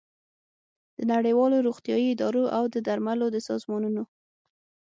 د نړیوالو روغتیايي ادارو او د درملو د سازمانونو